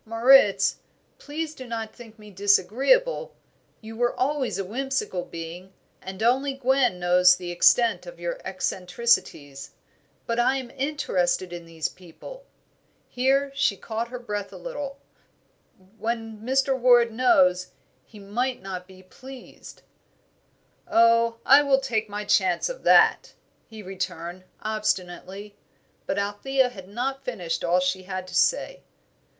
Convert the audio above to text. "Moritz, please do not think me disagreeable, you were always a whimsical being, and only Gwen knows the extent of your eccentricities; but I am interested in these people." Here she caught her breath a little. "When Mr. Ward knows, he might not be pleased." "Oh, I will take my chance of that," he returned, obstinately. But Althea had not finished all she had to say.